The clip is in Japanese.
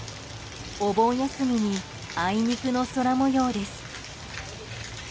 お盆休みにあいにくの空模様です。